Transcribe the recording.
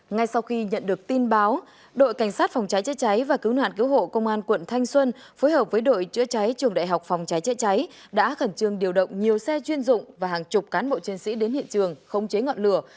ngay sau khi nhận được tin báo đội cảnh sát phòng cháy chữa cháy và cứu nạn cứu hộ công an quận thanh xuân phối hợp với đội chữa cháy trường đại học phòng cháy chữa cháy đã khẩn trương điều động nhiều xe chuyên dụng và hàng chục cán bộ chiến sĩ đến hiện trường không chế ngọn lửa